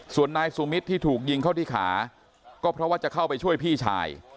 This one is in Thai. ส่วนนายสุมิตรที่ถูกยิงเข้าที่ขาก็เพราะว่าจะเข้าไปช่วยพี่ชาย